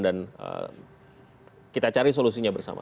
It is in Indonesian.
dan kita cari solusinya bersama